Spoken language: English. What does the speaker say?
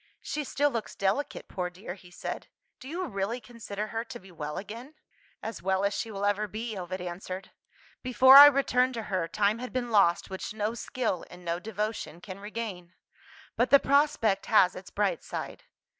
"She still looks delicate, poor dear," he said. "Do you really consider her to be well again?" "As well as she will ever be," Ovid answered. "Before I returned to her, time had been lost which no skill and no devotion can regain. But the prospect has its bright side.